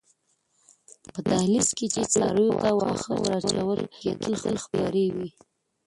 په دهلېز کې چې څارویو ته واښه ور اچول کېدل خپرې وې.